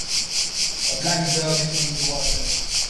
A black dog in the water.